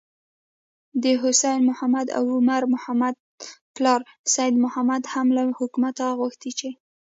د حسين محمد او عمر محمد پلار سيد محمد هم له حکومته غوښتي چې: